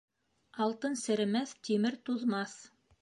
Алтын серемәҫ, тимер туҙмаҫ.